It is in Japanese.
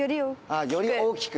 あより大きく。